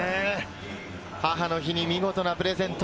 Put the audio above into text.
母の日に見事なプレゼント。